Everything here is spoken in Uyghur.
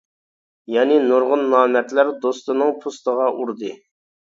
يەنى نۇرغۇن نامەردلەر دوستىنىڭ پوستىغا ئۇردى.